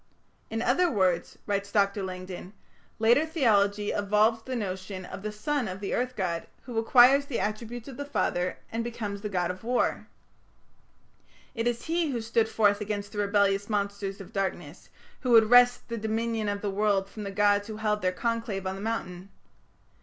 "In other words," writes Dr. Langdon, "later theology evolved the notion of the son of the earth god, who acquires the attributes of the father, and becomes the god of war. It is he who stood forth against the rebellious monsters of darkness, who would wrest the dominion of the world from the gods who held their conclave on the mountain.